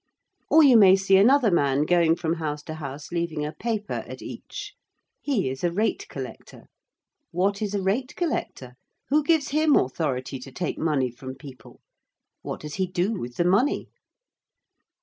Or you may see another man going from house to house leaving a paper at each. He is a rate collector. What is a rate collector? Who gives him authority to take money from people? What does he do with the money?